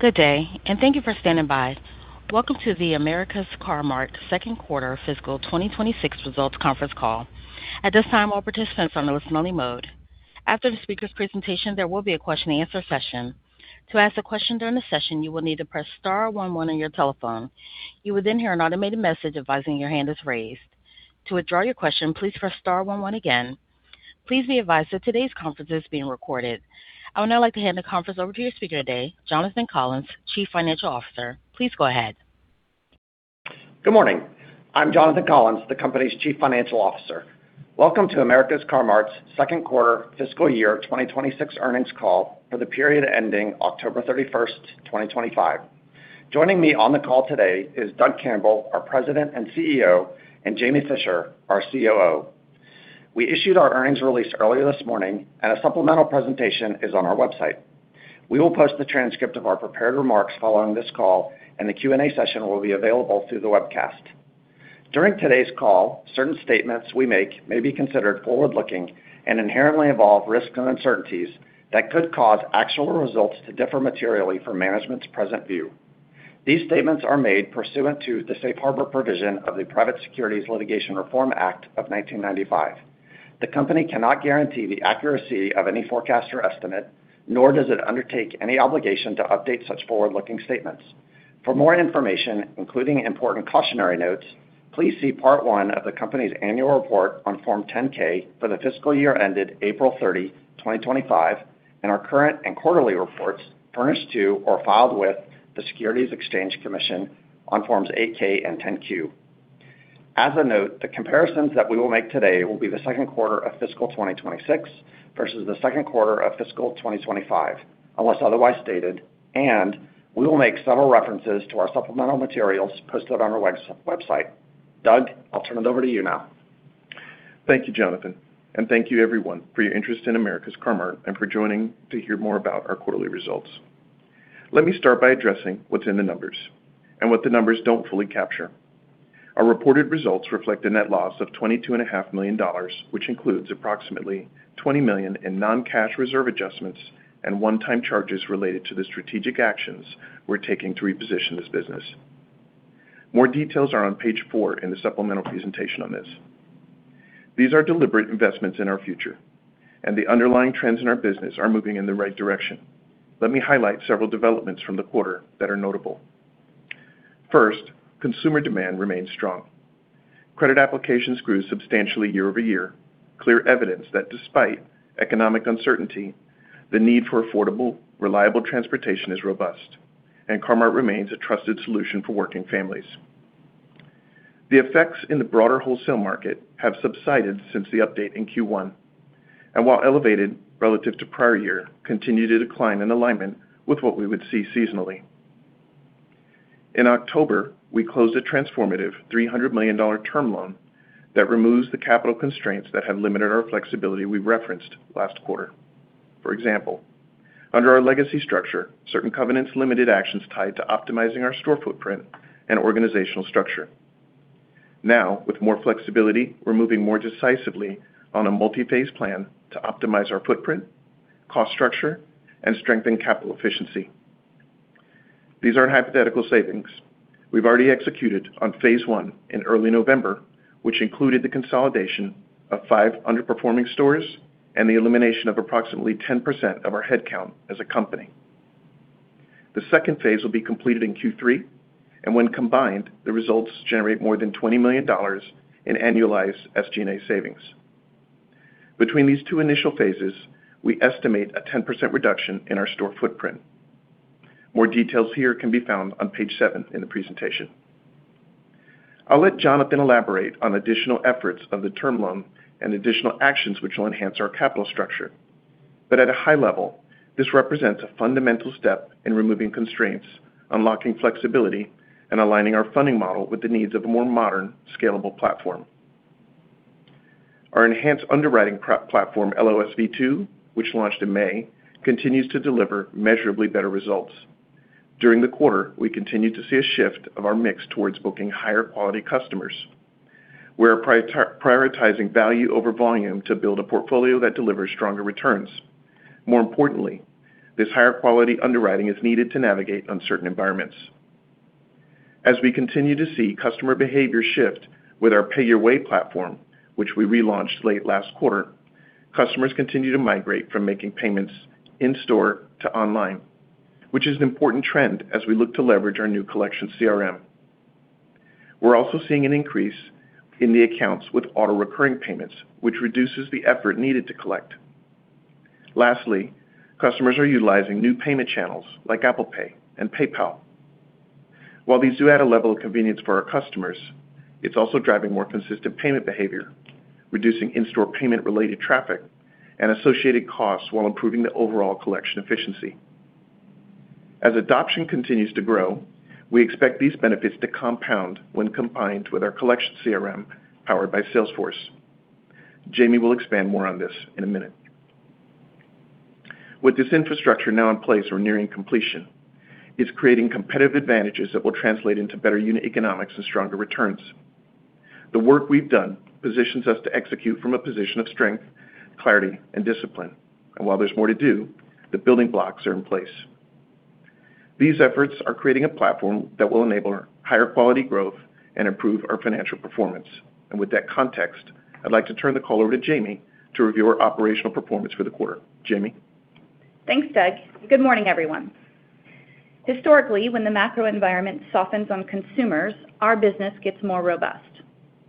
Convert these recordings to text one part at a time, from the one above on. Good day, and thank you for standing by. Welcome to the America's Car-Mart Second Quarter Fiscal 2026 Results Conference Call. At this time, all participants are in the listen-only mode. After the speaker's presentation, there will be a question-and-answer session. To ask a question during the session, you will need to press star one one on your telephone. You will then hear an automated message advising your hand is raised. To withdraw your question, please press star one one again. Please be advised that today's conference is being recorded. I would now like to hand the conference over to your speaker today, Jonathan Collins, Chief Financial Officer. Please go ahead. Good morning. I'm Jonathan Collins, the company's Chief Financial Officer. Welcome to America's Car-Mart's Second Quarter Fiscal Year 2026 Earnings Call for the period ending October 31st, 2025. Joining me on the call today is Doug Campbell, our President and CEO, and Jamie Fischer, our COO. We issued our earnings release earlier this morning, and a supplemental presentation is on our website. We will post the transcript of our prepared remarks following this call, and the Q&A session will be available through the webcast. During today's call, certain statements we make may be considered forward-looking and inherently involve risks and uncertainties that could cause actual results to differ materially from management's present view. These statements are made pursuant to the Safe Harbor Provision of the Private Securities Litigation Reform Act of 1995. The company cannot guarantee the accuracy of any forecast or estimate, nor does it undertake any obligation to update such forward-looking statements. For more information, including important cautionary notes, please see Part 1 of the company's annual report on Form 10-K for the fiscal year ended April 30, 2025, and our current and quarterly reports furnished to or filed with the Securities and Exchange Commission on Forms 8-K and 10-Q. As a note, the comparisons that we will make today will be the second quarter of fiscal 2026 versus the second quarter of fiscal 2025, unless otherwise stated, and we will make several references to our supplemental materials posted on our website. Doug, I'll turn it over to you now. Thank you, Jonathan, and thank you, everyone, for your interest in America's Car-Mart and for joining to hear more about our quarterly results. Let me start by addressing what's in the numbers and what the numbers don't fully capture. Our reported results reflect a net loss of $22.5 million, which includes approximately $20 million in non-cash reserve adjustments and one-time charges related to the strategic actions we're taking to reposition this business. More details are on page four in the supplemental presentation on this. These are deliberate investments in our future, and the underlying trends in our business are moving in the right direction. Let me highlight several developments from the quarter that are notable. First, consumer demand remains strong. Credit applications grew substantially year-over-year, clear evidence that despite economic uncertainty, the need for affordable, reliable transportation is robust, and Car-Mart remains a trusted solution for working families. The effects in the broader wholesale market have subsided since the update in Q1, and while elevated relative to prior year, continue to decline in alignment with what we would see seasonally. In October, we closed a transformative $300 million term loan that removes the capital constraints that have limited our flexibility we referenced last quarter. For example, under our legacy structure, certain covenants limited actions tied to optimizing our store footprint and organizational structure. Now, with more flexibility, we're moving more decisively on a multi-phase plan to optimize our footprint, cost structure, and strengthen capital efficiency. These aren't hypothetical savings. We've already executed on phase I in early November, which included the consolidation of five underperforming stores and the elimination of approximately 10% of our headcount as a company. The second phase will be completed in Q3, and when combined, the results generate more than $20 million in annualized SG&A savings. Between these two initial phases, we estimate a 10% reduction in our store footprint. More details here can be found on page seven in the presentation. I'll let Jonathan elaborate on additional efforts of the term loan and additional actions which will enhance our capital structure. But at a high level, this represents a fundamental step in removing constraints, unlocking flexibility, and aligning our funding model with the needs of a more modern, scalable platform. Our enhanced underwriting platform, LOS V2, which launched in May, continues to deliver measurably better results. During the quarter, we continue to see a shift of our mix towards booking higher-quality customers. We're prioritizing value over volume to build a portfolio that delivers stronger returns. More importantly, this higher-quality underwriting is needed to navigate uncertain environments. As we continue to see customer behavior shift with our Pay Your Way platform, which we relaunched late last quarter, customers continue to migrate from making payments in-store to online, which is an important trend as we look to leverage our new Collection CRM. We're also seeing an increase in the accounts with auto-recurring payments, which reduces the effort needed to collect. Lastly, customers are utilizing new payment channels like Apple Pay and PayPal. While these do add a level of convenience for our customers, it's also driving more consistent payment behavior, reducing in-store payment-related traffic and associated costs while improving the overall collection efficiency. As adoption continues to grow, we expect these benefits to compound when combined with our Collection CRM powered by Salesforce. Jamie will expand more on this in a minute. With this infrastructure now in place or nearing completion, it's creating competitive advantages that will translate into better unit economics and stronger returns. The work we've done positions us to execute from a position of strength, clarity, and discipline. And while there's more to do, the building blocks are in place. These efforts are creating a platform that will enable higher-quality growth and improve our financial performance. And with that context, I'd like to turn the call over to Jamie to review our operational performance for the quarter. Jamie. Thanks, Doug. Good morning, everyone. Historically, when the macro environment softens on consumers, our business gets more robust.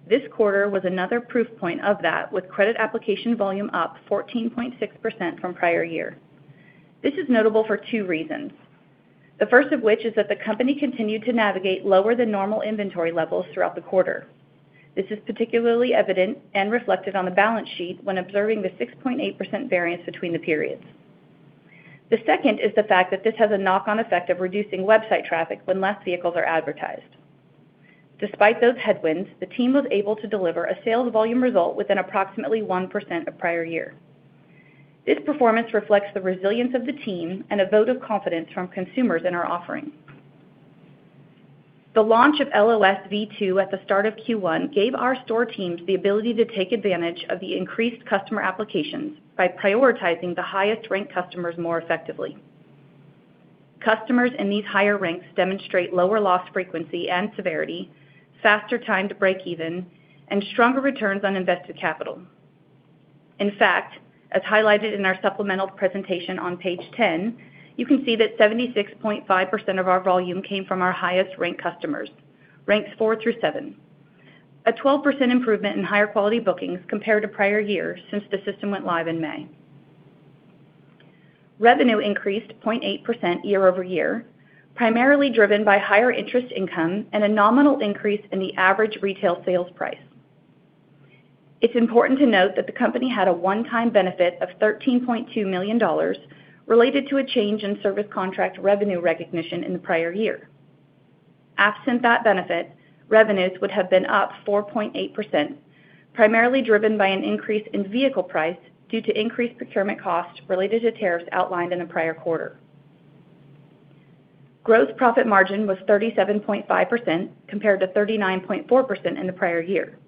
This quarter was another proof point of that, with credit application volume up 14.6% from prior year. This is notable for two reasons, the first of which is that the company continued to navigate lower-than-normal inventory levels throughout the quarter. This is particularly evident and reflected on the balance sheet when observing the 6.8% variance between the periods. The second is the fact that this has a knock-on effect of reducing website traffic when less vehicles are advertised. Despite those headwinds, the team was able to deliver a sales volume result within approximately 1% of prior year. This performance reflects the resilience of the team and a vote of confidence from consumers in our offering. The launch of LOS V2 at the start of Q1 gave our store teams the ability to take advantage of the increased customer applications by prioritizing the highest-ranked customers more effectively. Customers in these higher ranks demonstrate lower loss frequency and severity, faster time to break even, and stronger returns on invested capital. In fact, as highlighted in our supplemental presentation on page 10, you can see that 76.5% of our volume came from our highest-ranked customers, ranks 4 through 7, a 12% improvement in higher-quality bookings compared to prior year since the system went live in May. Revenue increased 0.8% year-over-year, primarily driven by higher interest income and a nominal increase in the average retail sales price. It's important to note that the company had a one-time benefit of $13.2 million related to a change in service contract revenue recognition in the prior year. Absent that benefit, revenues would have been up 4.8%, primarily driven by an increase in vehicle price due to increased procurement costs related to tariffs outlined in the prior quarter. Gross profit margin was 37.5% compared to 39.4% in the prior year.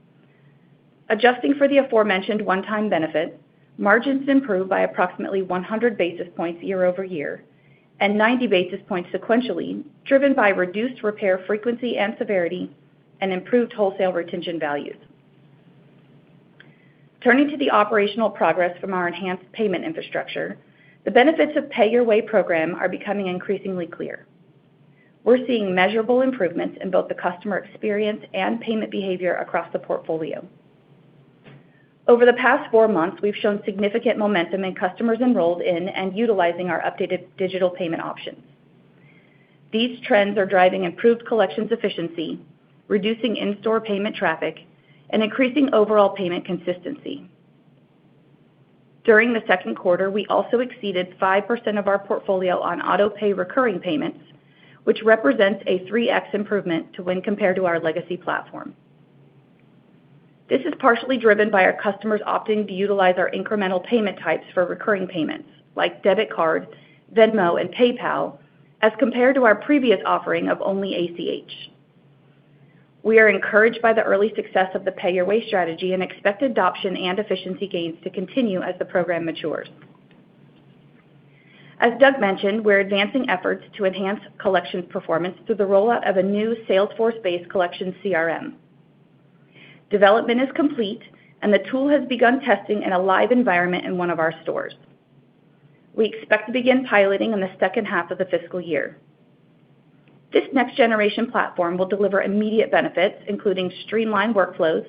Adjusting for the aforementioned one-time benefit, margins improved by approximately 100 basis points year-over-year and 90 basis points sequentially, driven by reduced repair frequency and severity and improved wholesale retention values. Turning to the operational progress from our enhanced payment infrastructure, the benefits of the Pay Your Way program are becoming increasingly clear. We're seeing measurable improvements in both the customer experience and payment behavior across the portfolio. Over the past four months, we've shown significant momentum in customers enrolled in and utilizing our updated digital payment options. These trends are driving improved collections efficiency, reducing in-store payment traffic, and increasing overall payment consistency. During the second quarter, we also exceeded 5% of our portfolio on auto-pay recurring payments, which represents a 3X improvement to when compared to our legacy platform. This is partially driven by our customers opting to utilize our incremental payment types for recurring payments, like debit card, Venmo, and PayPal, as compared to our previous offering of only ACH. We are encouraged by the early success of the Pay Your Way strategy and expect adoption and efficiency gains to continue as the program matures. As Doug mentioned, we're advancing efforts to enhance collection performance through the rollout of a new Salesforce-based Collection CRM. Development is complete, and the tool has begun testing in a live environment in one of our stores. We expect to begin piloting in the second half of the fiscal year. This next-generation platform will deliver immediate benefits, including streamlined workflows,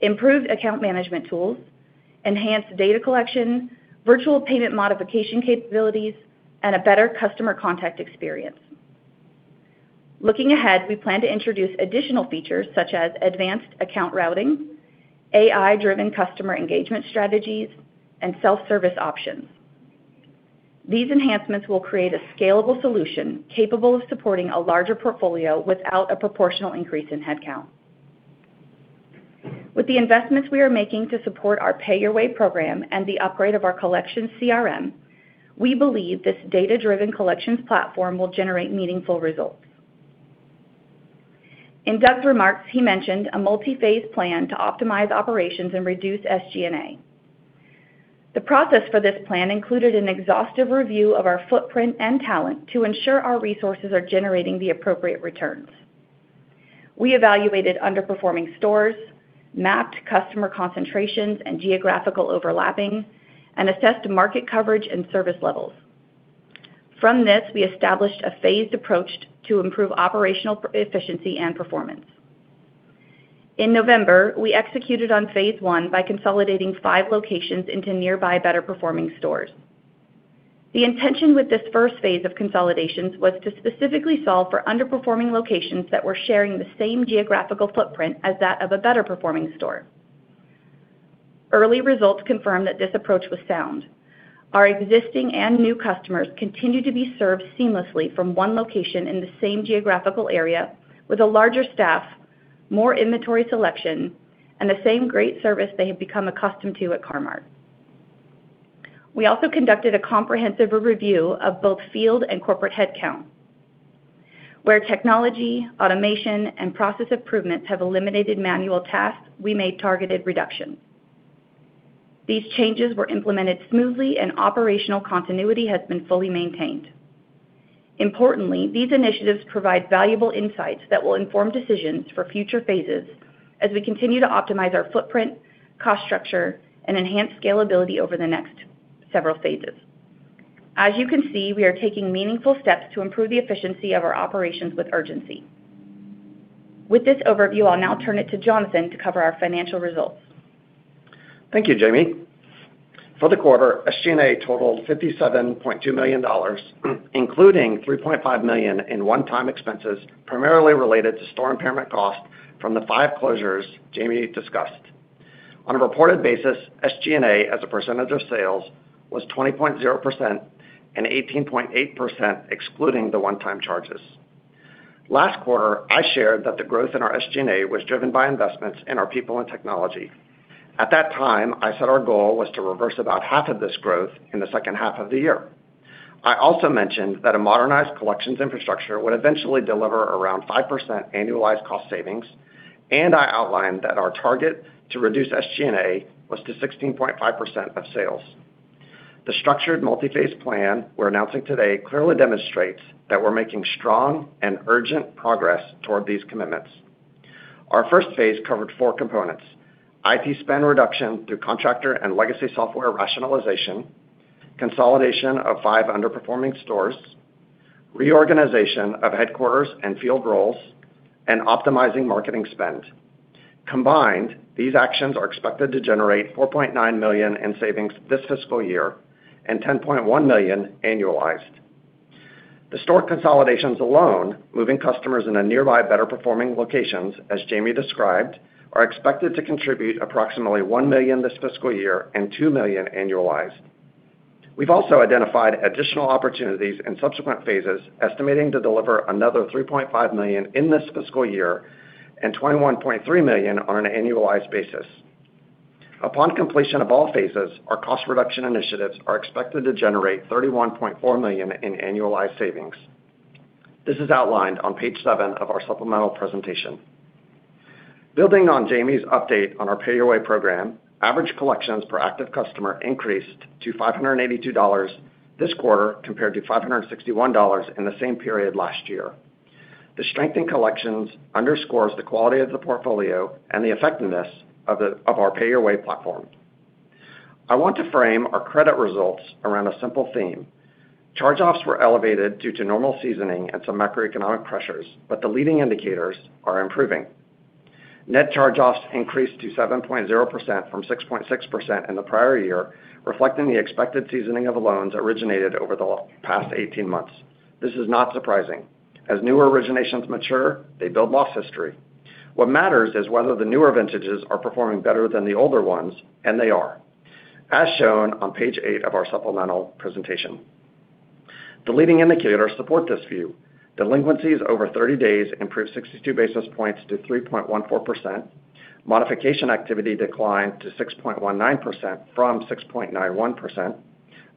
improved account management tools, enhanced data collection, virtual payment modification capabilities, and a better customer contact experience. Looking ahead, we plan to introduce additional features such as advanced account routing, AI-driven customer engagement strategies, and self-service options. These enhancements will create a scalable solution capable of supporting a larger portfolio without a proportional increase in headcount. With the investments we are making to support our Pay Your Way program and the upgrade of our collection CRM, we believe this data-driven collections platform will generate meaningful results. In Doug's remarks, he mentioned a multi-phase plan to optimize operations and reduce SG&A. The process for this plan included an exhaustive review of our footprint and talent to ensure our resources are generating the appropriate returns. We evaluated underperforming stores, mapped customer concentrations and geographical overlapping, and assessed market coverage and service levels. From this, we established a phased approach to improve operational efficiency and performance. In November, we executed on phase I by consolidating five locations into nearby better-performing stores. The intention with this first phase of consolidations was to specifically solve for underperforming locations that were sharing the same geographical footprint as that of a better-performing store. Early results confirmed that this approach was sound. Our existing and new customers continue to be served seamlessly from one location in the same geographical area with a larger staff, more inventory selection, and the same great service they have become accustomed to at Car-Mart. We also conducted a comprehensive review of both field and corporate headcount. Where technology, automation, and process improvements have eliminated manual tasks, we made targeted reductions. These changes were implemented smoothly, and operational continuity has been fully maintained. Importantly, these initiatives provide valuable insights that will inform decisions for future phases as we continue to optimize our footprint, cost structure, and enhance scalability over the next several phases. As you can see, we are taking meaningful steps to improve the efficiency of our operations with urgency. With this overview, I'll now turn it to Jonathan to cover our financial results. Thank you, Jamie. For the quarter, SG&A totaled $57.2 million, including $3.5 million in one-time expenses primarily related to store impairment costs from the five closures Jamie discussed. On a reported basis, SG&A as a percentage of sales was 20.0% and 18.8% excluding the one-time charges. Last quarter, I shared that the growth in our SG&A was driven by investments in our people and technology. At that time, I said our goal was to reverse about half of this growth in the second half of the year. I also mentioned that a modernized collections infrastructure would eventually deliver around 5% annualized cost savings, and I outlined that our target to reduce SG&A was to 16.5% of sales. The structured multi-phase plan we're announcing today clearly demonstrates that we're making strong and urgent progress toward these commitments. Our first phase covered four components: IT spend reduction through contractor and legacy software rationalization, consolidation of five underperforming stores, reorganization of headquarters and field roles, and optimizing marketing spend. Combined, these actions are expected to generate $4.9 million in savings this fiscal year and $10.1 million annualized. The store consolidations alone, moving customers in the nearby better-performing locations, as Jamie described, are expected to contribute approximately $1 million this fiscal year and $2 million annualized. We've also identified additional opportunities in subsequent phases, estimating to deliver another $3.5 million in this fiscal year and $21.3 million on an annualized basis. Upon completion of all phases, our cost reduction initiatives are expected to generate $31.4 million in annualized savings. This is outlined on page seven of our supplemental presentation. Building on Jamie's update on our PayYour Way program, average collections per active customer increased to $582 this quarter compared to $561 in the same period last year. The strength in collections underscores the quality of the portfolio and the effectiveness of our Pay Your Way platform. I want to frame our credit results around a simple theme. Charge-offs were elevated due to normal seasoning and some macroeconomic pressures, but the leading indicators are improving. Net charge-offs increased to 7.0% from 6.6% in the prior year, reflecting the expected seasoning of loans originated over the past 18 months. This is not surprising. As new originations mature, they build loss history. What matters is whether the newer vintages are performing better than the older ones, and they are, as shown on page eight of our supplemental presentation. The leading indicators support this view. Delinquencies over 30 days improved 62 basis points to 3.14%. Modification activity declined to 6.19% from 6.91%.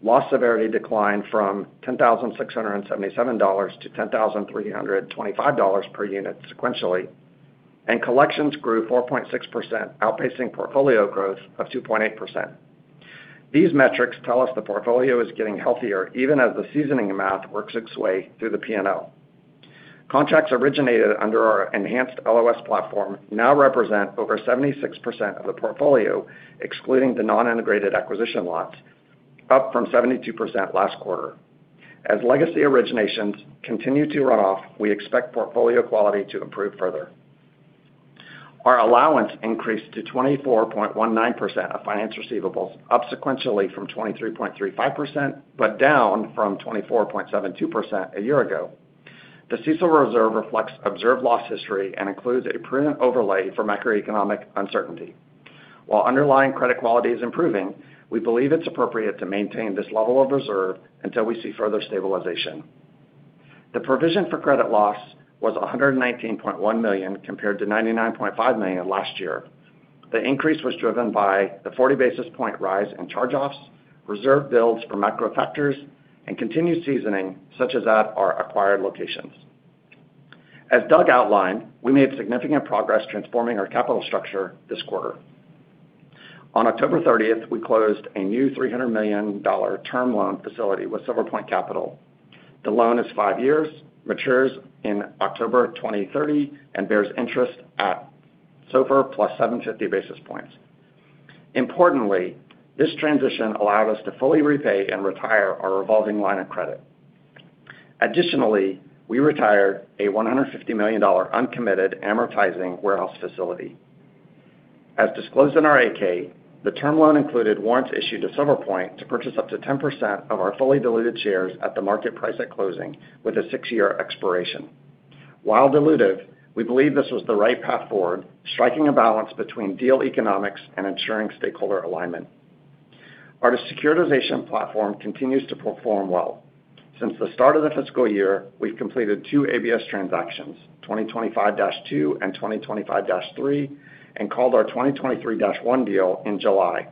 Loss severity declined from $10,677 to $10,325 per unit sequentially, and collections grew 4.6%, outpacing portfolio growth of 2.8%. These metrics tell us the portfolio is getting healthier even as the seasoning math works its way through the P&L. Contracts originated under our enhanced LOS platform now represent over 76% of the portfolio, excluding the non-integrated acquisition lots, up from 72% last quarter. As legacy originations continue to run off, we expect portfolio quality to improve further. Our allowance increased to 24.19% of finance receivables up sequentially from 23.35%, but down from 24.72% a year ago. The CECL reserve reflects observed loss history and includes a prudent overlay for macroeconomic uncertainty. While underlying credit quality is improving, we believe it's appropriate to maintain this level of reserve until we see further stabilization. The provision for credit loss was $119.1 million compared to $99.5 million last year. The increase was driven by the 40 basis points rise in charge-offs, reserve builds for macro factors, and continued seasoning such as at our acquired locations. As Doug outlined, we made significant progress transforming our capital structure this quarter. On October 30th, we closed a new $300 million term loan facility with Silver Point Capital. The loan is five years, matures in October 2030, and bears interest at SOFR + 750 basis points. Importantly, this transition allowed us to fully repay and retire our revolving line of credit. Additionally, we retired a $150 million uncommitted amortizing warehouse facility. As disclosed in our 8-K, the term loan included warrants issued to Silver Point to purchase up to 10% of our fully diluted shares at the market price at closing with a six-year expiration. While dilutive, we believe this was the right path forward, striking a balance between deal economics and ensuring stakeholder alignment. Our securitization platform continues to perform well. Since the start of the fiscal year, we've completed two ABS transactions, 2025-2 and 2025-3, and called our 2023-1 deal in July.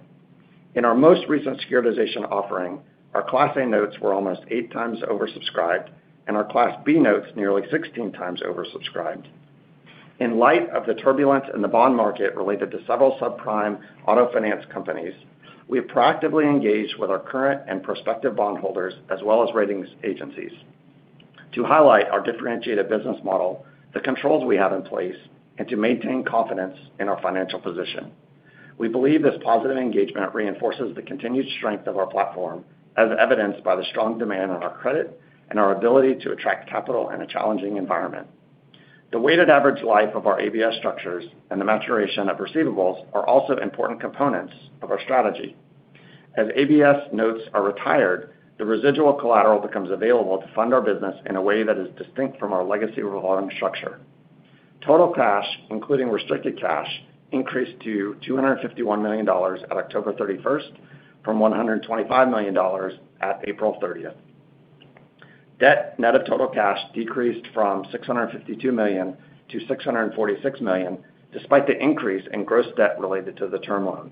In our most recent securitization offering, our Class A notes were almost eight times oversubscribed, and our Class B notes nearly 16 times oversubscribed. In light of the turbulence in the bond market related to several subprime auto finance companies, we've proactively engaged with our current and prospective bondholders as well as ratings agencies to highlight our differentiated business model, the controls we have in place, and to maintain confidence in our financial position. We believe this positive engagement reinforces the continued strength of our platform, as evidenced by the strong demand on our credit and our ability to attract capital in a challenging environment. The weighted average life of our ABS structures and the maturation of receivables are also important components of our strategy. As ABS notes are retired, the residual collateral becomes available to fund our business in a way that is distinct from our legacy revolving structure. Total cash, including restricted cash, increased to $251 million at October 31st from $125 million at April 30th. Debt net of total cash decreased from $652 million to $646 million, despite the increase in gross debt related to the term loan.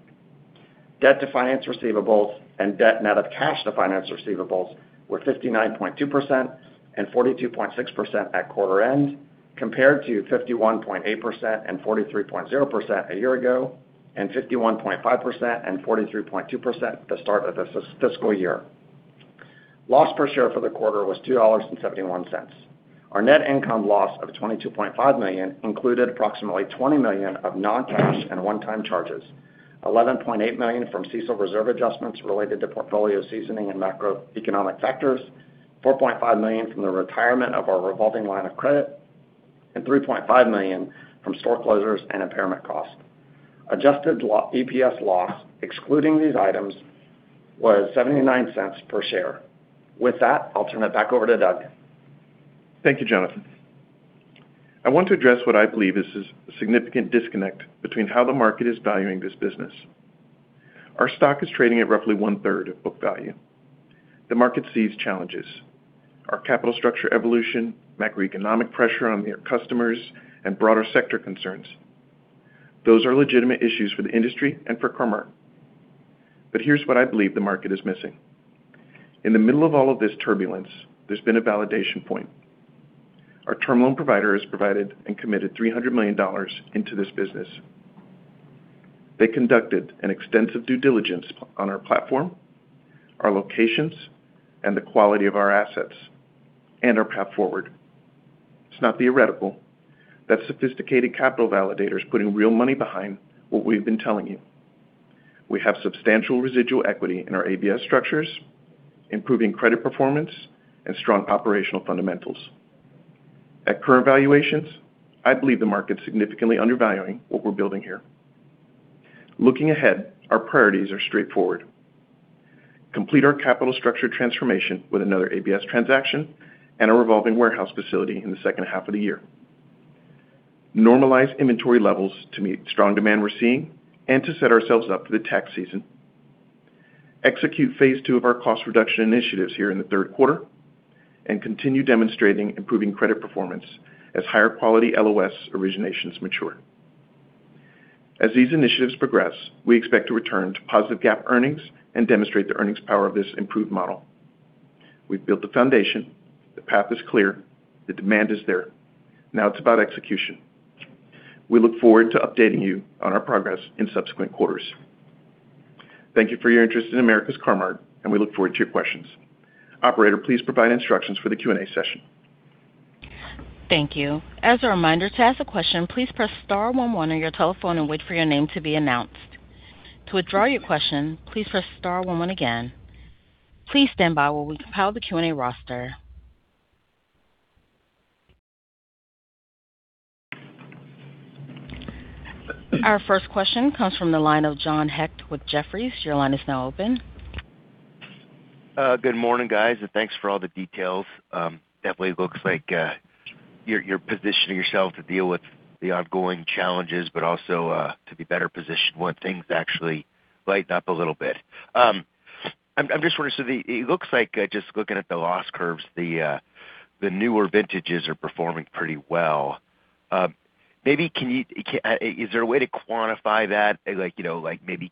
Debt to finance receivables and debt net of cash to finance receivables were 59.2% and 42.6% at quarter end, compared to 51.8% and 43.0% a year ago and 51.5% and 43.2% at the start of the fiscal year. Loss per share for the quarter was $2.71. Our net income loss of $22.5 million included approximately $20 million of non-cash and one-time charges, $11.8 million from CECL reserve adjustments related to portfolio seasoning and macroeconomic factors, $4.5 million from the retirement of our revolving line of credit, and $3.5 million from store closures and impairment costs. Adjusted EPS loss, excluding these items, was $0.79 per share. With that, I'll turn it back over to Doug. Thank you, Jonathan. I want to address what I believe is a significant disconnect between how the market is valuing this business. Our stock is trading at roughly one-third of book value. The market sees challenges: our capital structure evolution, macroeconomic pressure on their customers, and broader sector concerns. Those are legitimate issues for the industry and for Car-Mart. But here's what I believe the market is missing. In the middle of all of this turbulence, there's been a validation point. Our term loan provider has provided and committed $300 million into this business. They conducted an extensive due diligence on our platform, our locations, and the quality of our assets and our path forward. It's not theoretical. That's sophisticated capital validators putting real money behind what we've been telling you. We have substantial residual equity in our ABS structures, improving credit performance, and strong operational fundamentals. At current valuations, I believe the market's significantly undervaluing what we're building here. Looking ahead, our priorities are straightforward: complete our capital structure transformation with another ABS transaction and a revolving warehouse facility in the second half of the year, normalize inventory levels to meet strong demand we're seeing, and to set ourselves up for the tax season, execute phase II of our cost reduction initiatives here in the third quarter, and continue demonstrating improving credit performance as higher quality LOS originations mature. As these initiatives progress, we expect to return to positive gap earnings and demonstrate the earnings power of this improved model. We've built the foundation. The path is clear. The demand is there. Now it's about execution. We look forward to updating you on our progress in subsequent quarters. Thank you for your interest in America's Car-Mart, and we look forward to your questions. Operator, please provide instructions for the Q&A session. Thank you. As a reminder, to ask a question, please press star one one on your telephone and wait for your name to be announced. To withdraw your question, please press star one one again. Please stand by while we compile the Q&A roster. Our first question comes from the line of John Hecht with Jefferies. Your line is now open. Good morning, guys, and thanks for all the details. Definitely looks like you're positioning yourself to deal with the ongoing challenges, but also to be better positioned when things actually lighten up a little bit. I'm just wondering, so it looks like just looking at the loss curves, the newer vintages are performing pretty well. Maybe can you—is there a way to quantify that, like maybe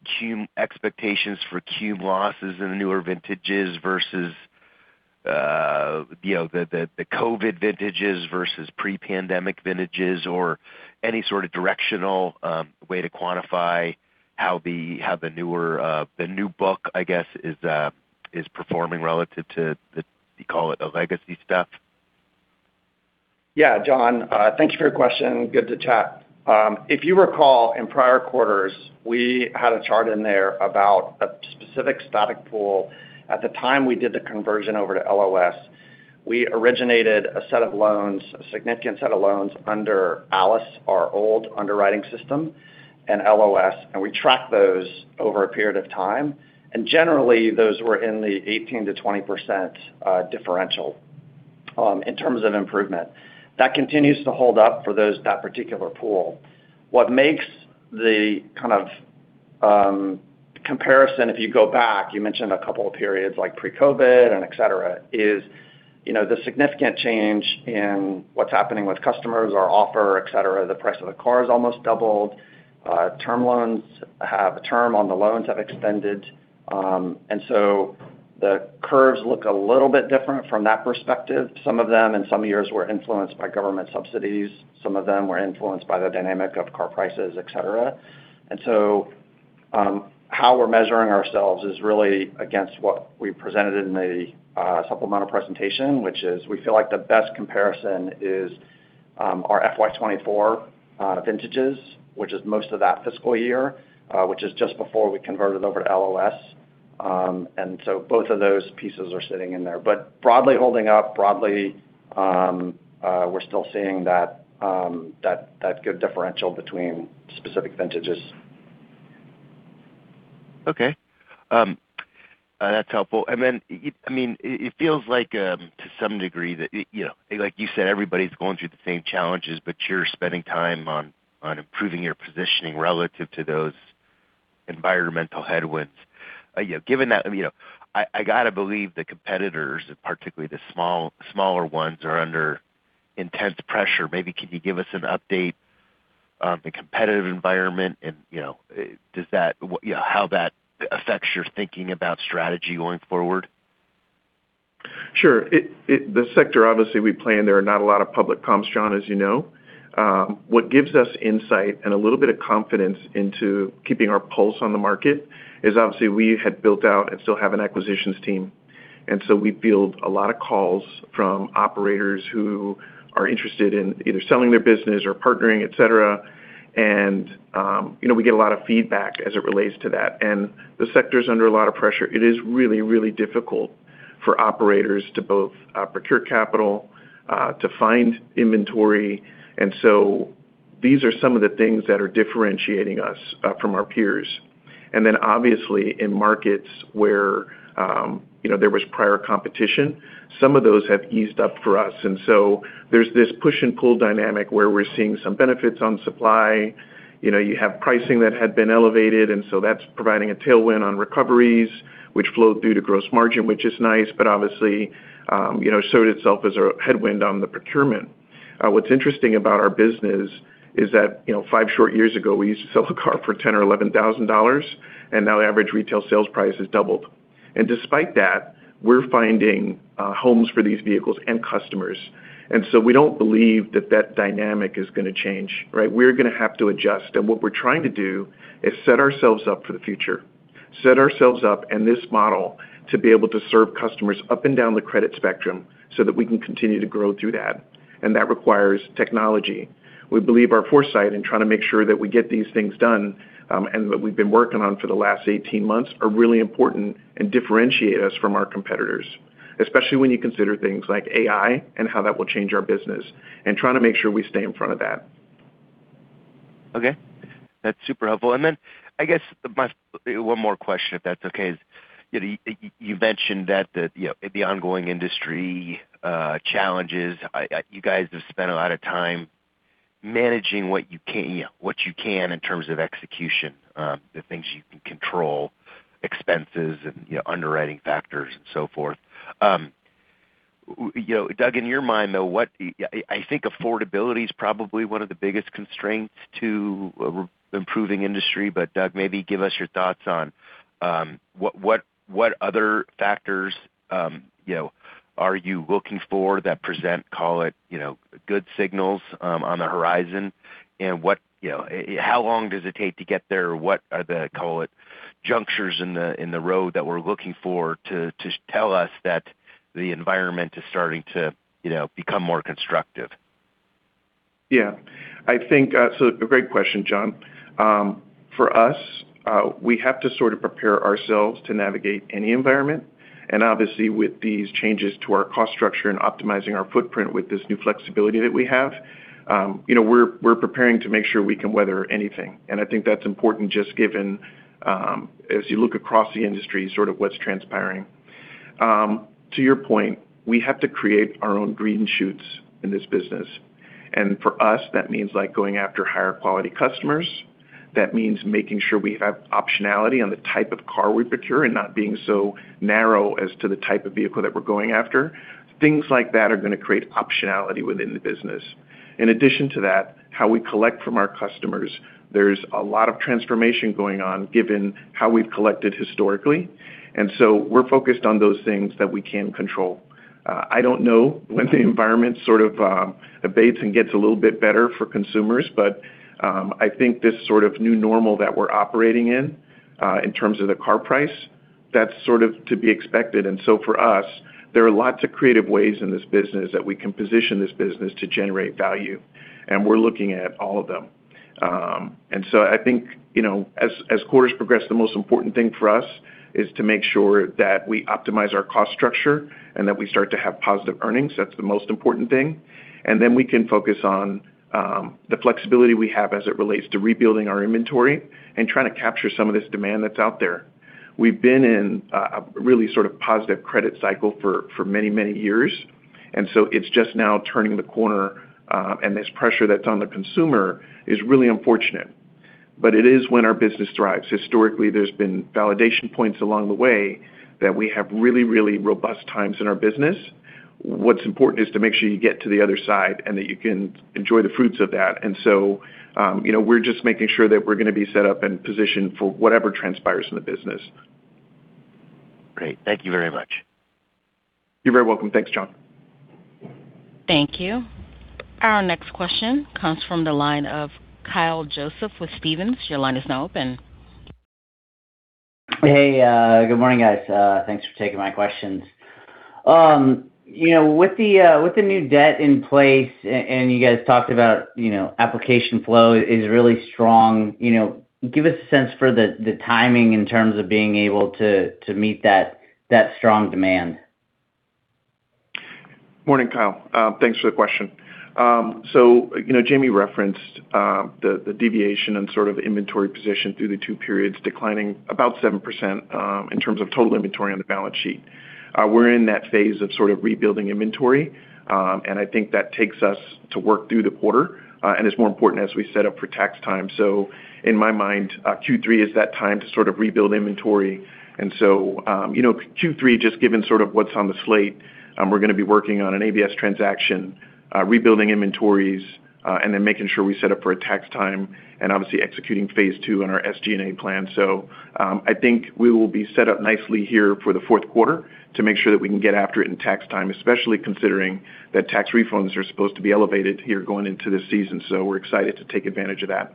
expectations for Q losses in the newer vintages versus the COVID vintages versus pre-pandemic vintages, or any sort of directional way to quantify how the new book, I guess, is performing relative to the—you call it the legacy stuff? Yeah, John, thank you for your question. Good to chat. If you recall, in prior quarters, we had a chart in there about a specific static pool. At the time we did the conversion over to LOS, we originated a set of loans, a significant set of loans under ALIS, our old underwriting system, and LOS, and we tracked those over a period of time. And generally, those were in the 18%-20% differential in terms of improvement. That continues to hold up for that particular pool. What makes the kind of comparison, if you go back, you mentioned a couple of periods like pre-COVID and etc., is the significant change in what's happening with customers, our offer, etc. The price of the car has almost doubled. Term loans have- term on the loans have extended. So the curves look a little bit different from that perspective. Some of them in some years were influenced by government subsidies. Some of them were influenced by the dynamic of car prices, etc. And so how we're measuring ourselves is really against what we presented in the supplemental presentation, which is we feel like the best comparison is our FY 2024 vintages, which is most of that fiscal year, which is just before we converted over to LOS. And so both of those pieces are sitting in there. But broadly holding up, broadly we're still seeing that good differential between specific vintages. Okay. That's helpful. And then, I mean, it feels like to some degree that, like you said, everybody's going through the same challenges, but you're spending time on improving your positioning relative to those environmental headwinds. Given that, I got to believe the competitors, particularly the smaller ones, are under intense pressure. Maybe can you give us an update on the competitive environment and how that affects your thinking about strategy going forward? Sure. The sector, obviously, we play in. There are not a lot of public comps, John, as you know. What gives us insight and a little bit of confidence into keeping our pulse on the market is, obviously, we had built out and still have an acquisitions team. And so we field a lot of calls from operators who are interested in either selling their business or partnering, etc. And we get a lot of feedback as it relates to that. And the sector's under a lot of pressure. It is really, really difficult for operators to both procure capital, to find inventory. And so these are some of the things that are differentiating us from our peers. And then, obviously, in markets where there was prior competition, some of those have eased up for us. And so there's this push and pull dynamic where we're seeing some benefits on supply. You have pricing that had been elevated, and so that's providing a tailwind on recoveries, which flowed through to gross margin, which is nice, but obviously showed itself as a headwind on the procurement. What's interesting about our business is that five short years ago, we used to sell a car for $10,000 or $11,000, and now the average retail sales price has doubled. And despite that, we're finding homes for these vehicles and customers. And so we don't believe that that dynamic is going to change, right? We're going to have to adjust. And what we're trying to do is set ourselves up for the future, set ourselves up in this model to be able to serve customers up and down the credit spectrum so that we can continue to grow through that. And that requires technology. We believe our foresight in trying to make sure that we get these things done and that we've been working on for the last 18 months are really important and differentiate us from our competitors, especially when you consider things like AI and how that will change our business and trying to make sure we stay in front of that. Okay. That's super helpful. And then, I guess one more question, if that's okay, is you mentioned that the ongoing industry challenges, you guys have spent a lot of time managing what you can in terms of execution, the things you can control, expenses, and underwriting factors, and so forth. Doug, in your mind, though, I think affordability is probably one of the biggest constraints to improving industry. But Doug, maybe give us your thoughts on what other factors are you looking for that present, call it, good signals on the horizon? And how long does it take to get there? What are the, call it, junctures in the road that we're looking for to tell us that the environment is starting to become more constructive? Yeah, so a great question, John. For us, we have to sort of prepare ourselves to navigate any environment, and obviously, with these changes to our cost structure and optimizing our footprint with this new flexibility that we have, we're preparing to make sure we can weather anything, and I think that's important just given, as you look across the industry, sort of what's transpiring. To your point, we have to create our own green shoots in this business, and for us, that means going after higher quality customers. That means making sure we have optionality on the type of car we procure and not being so narrow as to the type of vehicle that we're going after. Things like that are going to create optionality within the business. In addition to that, how we collect from our customers, there's a lot of transformation going on given how we've collected historically, and so we're focused on those things that we can control. I don't know when the environment sort of abates and gets a little bit better for consumers, but I think this sort of new normal that we're operating in terms of the car price, that's sort of to be expected, and so for us, there are lots of creative ways in this business that we can position this business to generate value, and we're looking at all of them, and so I think as quarters progress, the most important thing for us is to make sure that we optimize our cost structure and that we start to have positive earnings. That's the most important thing. And then we can focus on the flexibility we have as it relates to rebuilding our inventory and trying to capture some of this demand that's out there. We've been in a really sort of positive credit cycle for many, many years. And so it's just now turning the corner, and this pressure that's on the consumer is really unfortunate. But it is when our business thrives. Historically, there's been validation points along the way that we have really, really robust times in our business. What's important is to make sure you get to the other side and that you can enjoy the fruits of that. And so we're just making sure that we're going to be set up and positioned for whatever transpires in the business. Great. Thank you very much. You're very welcome. Thanks, John. Thank you. Our next question comes from the line of Kyle Joseph with Stephens. Your line is now open. Hey, good morning, guys. Thanks for taking my questions. With the new debt in place, and you guys talked about application flow is really strong, give us a sense for the timing in terms of being able to meet that strong demand. Morning, Kyle. Thanks for the question. So Jamie referenced the deviation and sort of inventory position through the two periods declining about 7% in terms of total inventory on the balance sheet. We're in that phase of sort of rebuilding inventory, and I think that takes us to work through the quarter. And it's more important as we set up for tax time. So in my mind, Q3 is that time to sort of rebuild inventory. And so Q3, just given sort of what's on the slate, we're going to be working on an ABS transaction, rebuilding inventories, and then making sure we set up for a tax time, and obviously executing phase II on our SG&A plan. So I think we will be set up nicely here for the fourth quarter to make sure that we can get after it in tax time, especially considering that tax refunds are supposed to be elevated here going into this season. So we're excited to take advantage of that.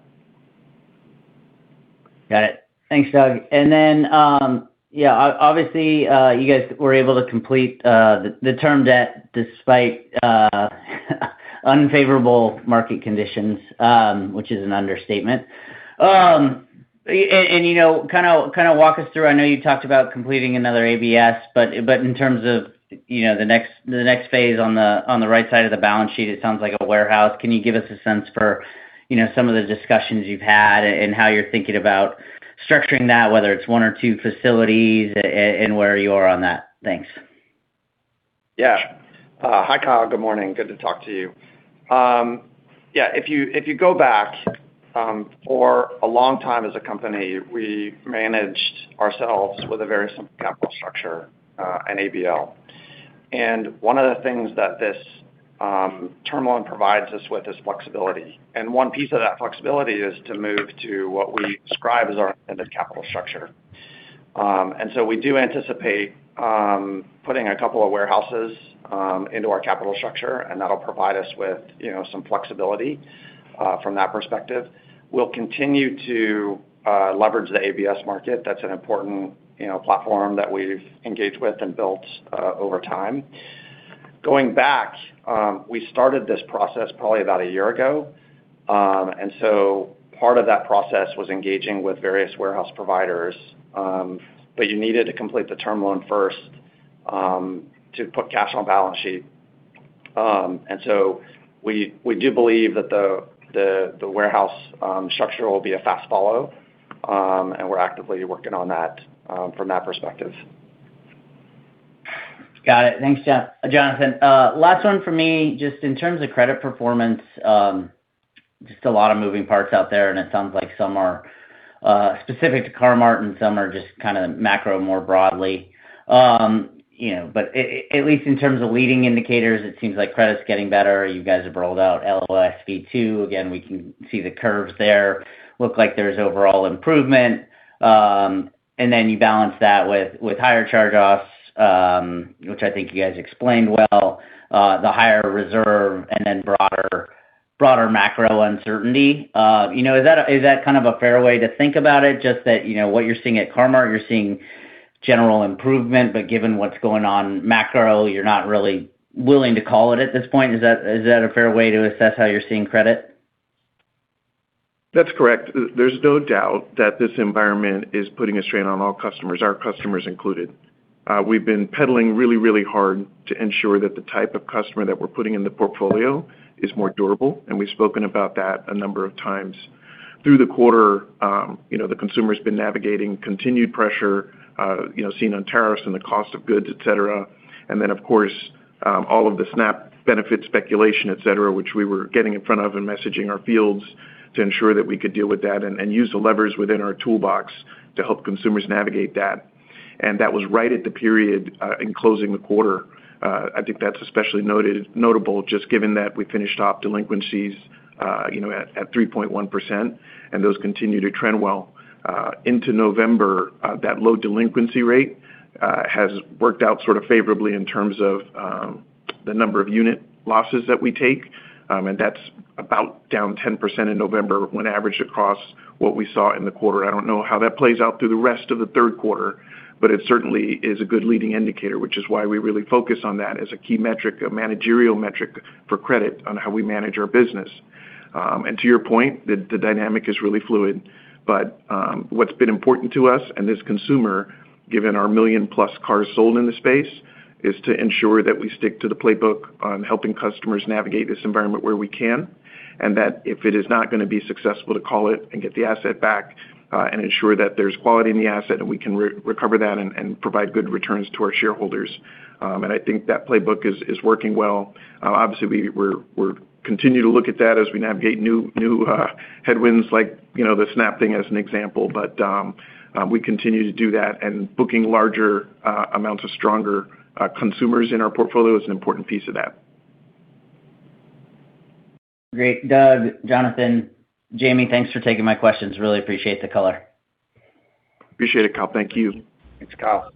Got it. Thanks, Doug. And then, yeah, obviously, you guys were able to complete the term debt despite unfavorable market conditions, which is an understatement. And kind of walk us through, I know you talked about completing another ABS, but in terms of the next phase on the right side of the balance sheet, it sounds like a warehouse. Can you give us a sense for some of the discussions you've had and how you're thinking about structuring that, whether it's one or two facilities and where you are on that? Thanks. Yeah. Hi, Kyle. Good morning. Good to talk to you. Yeah. If you go back, for a long time as a company, we managed ourselves with a very simple capital structure and ABL. And one of the things that this term loan provides us with is flexibility. And one piece of that flexibility is to move to what we describe as our intended capital structure. And so we do anticipate putting a couple of warehouses into our capital structure, and that'll provide us with some flexibility from that perspective. We'll continue to leverage the ABS market. That's an important platform that we've engaged with and built over time. Going back, we started this process probably about a year ago. And so part of that process was engaging with various warehouse providers, but you needed to complete the term loan first to put cash on balance sheet. We do believe that the warehouse structure will be a fast follow, and we're actively working on that from that perspective. Got it. Thanks, Jonathan. Last one for me, just in terms of credit performance, just a lot of moving parts out there, and it sounds like some are specific to Car-Mart and some are just kind of macro more broadly. But at least in terms of leading indicators, it seems like credit's getting better. You guys have rolled out LOS V2. Again, we can see the curves there look like there's overall improvement. And then you balance that with higher charge-offs, which I think you guys explained well, the higher reserve, and then broader macro uncertainty. Is that kind of a fair way to think about it? Just that what you're seeing at Car-Mart, you're seeing general improvement, but given what's going on macro, you're not really willing to call it at this point. Is that a fair way to assess how you're seeing credit? That's correct. There's no doubt that this environment is putting a strain on all customers, our customers included. We've been peddling really, really hard to ensure that the type of customer that we're putting in the portfolio is more durable, and we've spoken about that a number of times. Through the quarter, the consumer has been navigating continued pressure seen on tariffs and the cost of goods, etc. And then, of course, all of the SNAP benefit speculation, etc., which we were getting in front of and messaging our fields to ensure that we could deal with that and use the levers within our toolbox to help consumers navigate that. And that was right at the period in closing the quarter. I think that's especially notable just given that we finished off delinquencies at 3.1%, and those continue to trend well. Into November, that low delinquency rate has worked out sort of favorably in terms of the number of unit losses that we take. And that's about down 10% in November when averaged across what we saw in the quarter. I don't know how that plays out through the rest of the third quarter, but it certainly is a good leading indicator, which is why we really focus on that as a key metric, a managerial metric for credit on how we manage our business. And to your point, the dynamic is really fluid. What's been important to us and this consumer, given our million-plus cars sold in the space, is to ensure that we stick to the playbook on helping customers navigate this environment where we can, and that if it is not going to be successful to call it and get the asset back and ensure that there's quality in the asset and we can recover that and provide good returns to our shareholders. I think that playbook is working well. Obviously, we're continuing to look at that as we navigate new headwinds like the SNAP thing as an example, but we continue to do that. Booking larger amounts of stronger consumers in our portfolio is an important piece of that. Great. Doug, Jonathan, Jamie, thanks for taking my questions. Really appreciate the color. Appreciate it, Kyle. Thank you. Thanks, Kyle.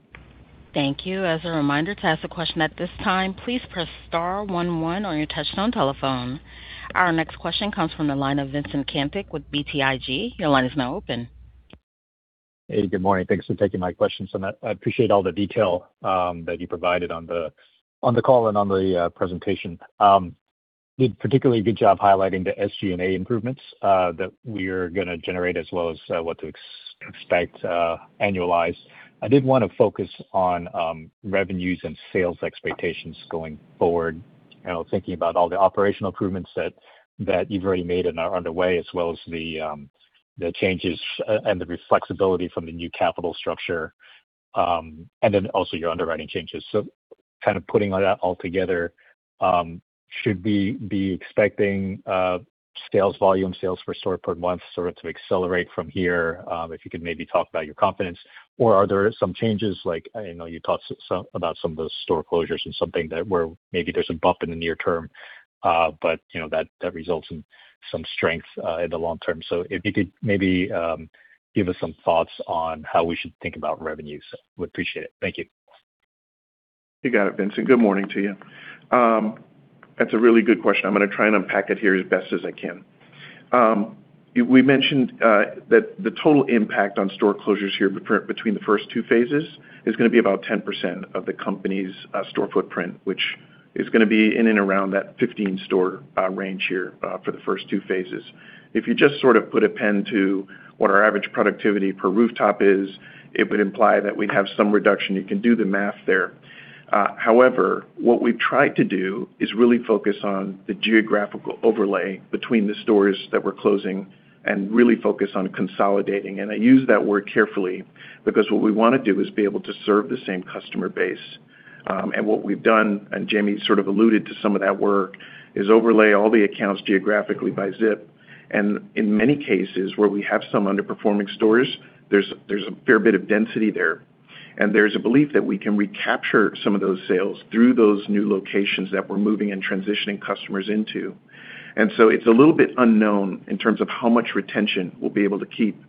Thank you. As a reminder to ask a question at this time, please press star one one on your touch-tone telephone. Our next question comes from the line of Vincent Caintic with BTIG. Your line is now open. Hey, good morning. Thanks for taking my questions, and I appreciate all the detail that you provided on the call and on the presentation. You did a particularly good job highlighting the SG&A improvements that we are going to generate as well as what to expect annualized. I did want to focus on revenues and sales expectations going forward, thinking about all the operational improvements that you've already made and are underway, as well as the changes and the flexibility from the new capital structure, and then also your underwriting changes, so kind of putting all that together, should we be expecting sales volume, sales for store per month sort of to accelerate from here? If you could maybe talk about your confidence, or are there some changes like you talked about some of the store closures and something that where maybe there's a bump in the near term, but that results in some strength in the long term? So if you could maybe give us some thoughts on how we should think about revenues, we'd appreciate it. Thank you. You got it, Vincent. Good morning to you. That's a really good question. I'm going to try and unpack it here as best as I can. We mentioned that the total impact on store closures here between the first two phases is going to be about 10% of the company's store footprint, which is going to be in and around that 15-store range here for the first two phases. If you just sort of put a pen to what our average productivity per rooftop is, it would imply that we'd have some reduction. You can do the math there. However, what we've tried to do is really focus on the geographical overlay between the stores that we're closing and really focus on consolidating, and I use that word carefully because what we want to do is be able to serve the same customer base. And what we've done, and Jamie sort of alluded to some of that work, is overlay all the accounts geographically by ZIP. And in many cases where we have some underperforming stores, there's a fair bit of density there. And there's a belief that we can recapture some of those sales through those new locations that we're moving and transitioning customers into. And so it's a little bit unknown in terms of how much retention we'll be able to keep.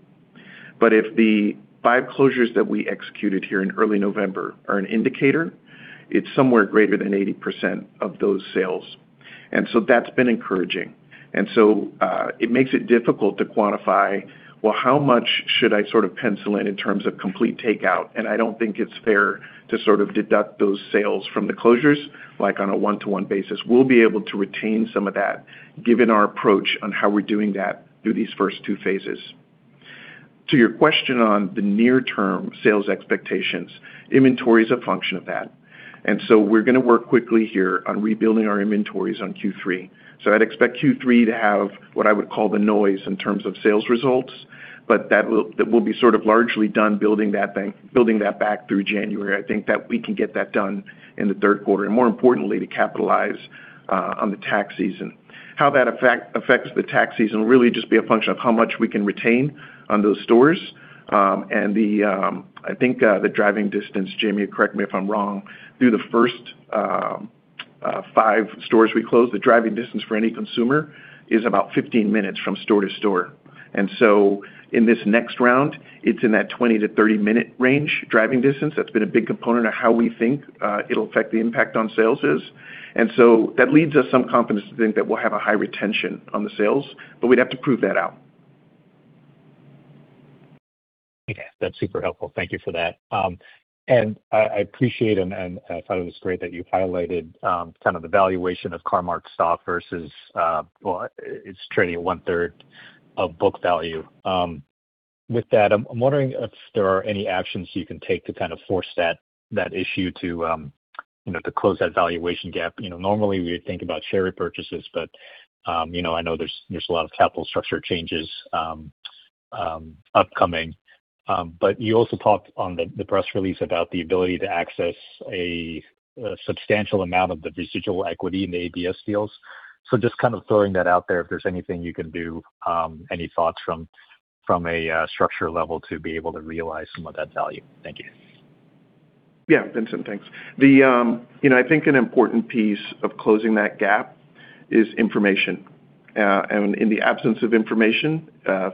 But if the five closures that we executed here in early November are an indicator, it's somewhere greater than 80% of those sales. And so that's been encouraging. And so it makes it difficult to quantify, well, how much should I sort of pencil in in terms of complete takeout? And I don't think it's fair to sort of deduct those sales from the closures like on a one-to-one basis. We'll be able to retain some of that given our approach on how we're doing that through these first two phases. To your question on the near-term sales expectations, inventory is a function of that, and so we're going to work quickly here on rebuilding our inventories on Q3, so I'd expect Q3 to have what I would call the noise in terms of sales results, but that will be sort of largely done building that back through January. I think that we can get that done in the third quarter and, more importantly, to capitalize on the tax season. How that affects the tax season will really just be a function of how much we can retain on those stores. I think the driving distance, Jamie, correct me if I'm wrong. Through the first five stores we closed, the driving distance for any consumer is about 15 minutes from store to store. In this next round, it's in that 20 minute-30 minute range driving distance. That's been a big component of how we think it'll affect the impact on sales is. That leads us some confidence to think that we'll have a high retention on the sales, but we'd have to prove that out. Okay. That's super helpful. Thank you for that. And I appreciate, and I thought it was great that you highlighted kind of the valuation of Car-Mart stock versus, well, it's trading one-third of book value. With that, I'm wondering if there are any actions you can take to kind of force that issue to close that valuation gap. Normally, we would think about share repurchases, but I know there's a lot of capital structure changes upcoming. But you also talked on the press release about the ability to access a substantial amount of the residual equity in the ABS deals. So just kind of throwing that out there, if there's anything you can do, any thoughts from a structure level to be able to realize some of that value? Thank you. Yeah, Vincent, thanks. I think an important piece of closing that gap is information, and in the absence of information,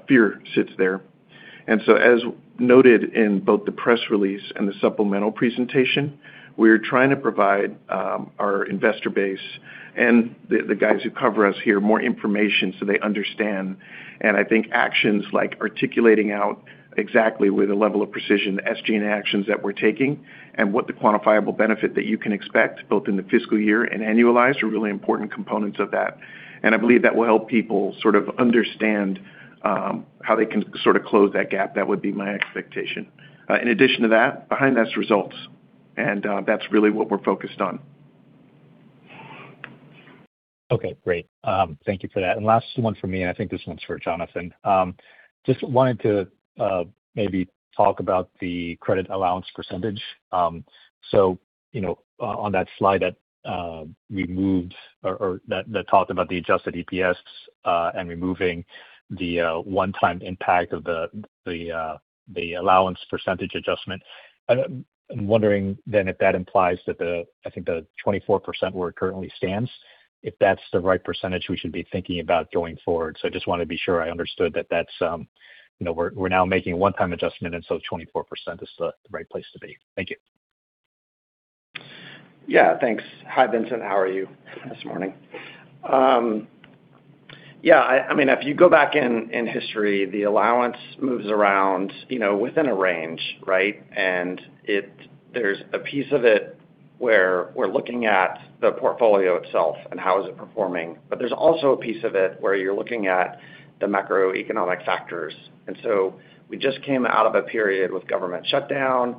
fear sits there, and so, as noted in both the press release and the supplemental presentation, we're trying to provide our investor base and the guys who cover us here more information so they understand, and I think actions like articulating out exactly with a level of precision the SG&A actions that we're taking and what the quantifiable benefit that you can expect both in the fiscal year and annualized are really important components of that, and I believe that will help people sort of understand how they can sort of close that gap. That would be my expectation. In addition to that, behind that are results, and that's really what we're focused on. Okay, great. Thank you for that. And last one for me, and I think this one's for Jonathan. Just wanted to maybe talk about the credit allowance percentage. So on that slide that we moved or that talked about the adjusted EPS and removing the one-time impact of the allowance percentage adjustment, I'm wondering then if that implies that I think the 24% where it currently stands, if that's the right percentage we should be thinking about going forward. So I just wanted to be sure I understood that we're now making a one-time adjustment, and so 24% is the right place to be. Thank you. Yeah, thanks. Hi, Vincent. How are you this morning? Yeah, I mean, if you go back in history, the allowance moves around within a range, right? And there's a piece of it where we're looking at the portfolio itself and how is it performing. But there's also a piece of it where you're looking at the macroeconomic factors. And so we just came out of a period with government shutdown.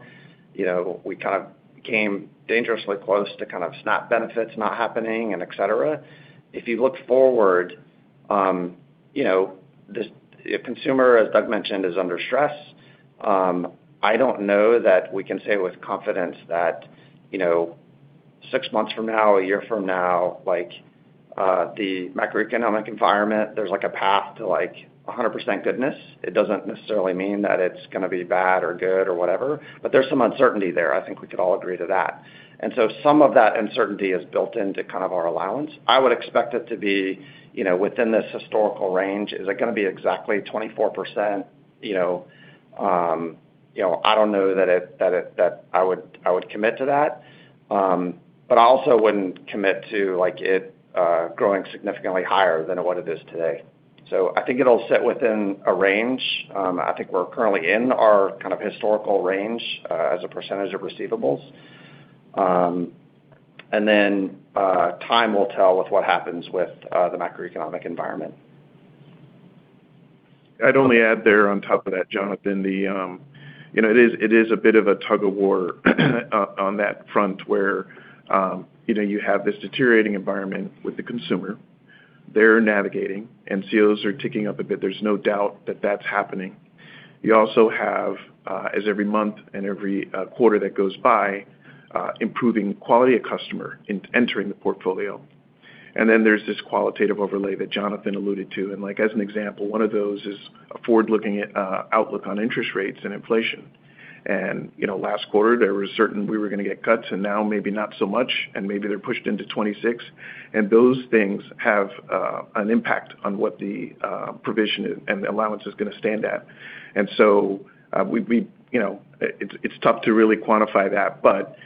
We kind of came dangerously close to kind of SNAP benefits not happening and etc. If you look forward, the consumer, as Doug mentioned, is under stress. I don't know that we can say with confidence that six months from now, a year from now, the macroeconomic environment, there's a path to 100% goodness. It doesn't necessarily mean that it's going to be bad or good or whatever, but there's some uncertainty there. I think we could all agree to that, and so some of that uncertainty is built into kind of our allowance. I would expect it to be within this historical range. Is it going to be exactly 24%? I don't know that I would commit to that, but I also wouldn't commit to it growing significantly higher than what it is today, so I think it'll sit within a range. I think we're currently in our kind of historical range as a percentage of receivables, and then time will tell with what happens with the macroeconomic environment. I'd only add there on top of that, Jonathan. It is a bit of a tug-of-war on that front where you have this deteriorating environment with the consumer. They're navigating, and COs are ticking up a bit. There's no doubt that that's happening. You also have, as every month and every quarter that goes by, improving quality of customer in entering the portfolio, and then there's this qualitative overlay that Jonathan alluded to, and as an example, one of those is a forward-looking outlook on interest rates and inflation, and last quarter, there was certainty we were going to get cuts, and now maybe not so much, and maybe they're pushed into 2026, and those things have an impact on what the provision and the allowance is going to stand at, and so it's tough to really quantify that. But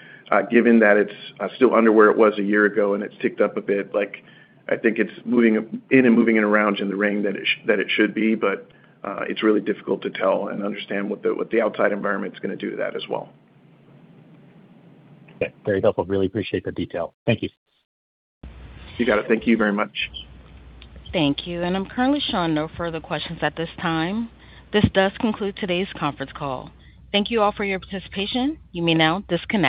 given that it's still under where it was a year ago and it's ticked up a bit, I think it's moving in a range that it should be, but it's really difficult to tell and understand what the outside environment's going to do to that as well. Okay. Very helpful. Really appreciate the detail. Thank you. You got it. Thank you very much. Thank you. And I'm currently showing no further questions at this time. This does conclude today's conference call. Thank you all for your participation. You may now disconnect.